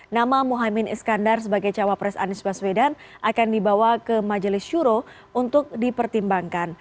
nama muhaymin iskandar sebagai cawapres anies baswedan akan dibawa ke majelis syuro untuk dipertimbangkan